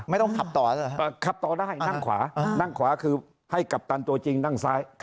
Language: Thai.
ไม่ต้องขับต่อนะครับขับต่อได้นั่งขวานั่งขวาคือให้กัปตันตัวจริงนั่งซ้าย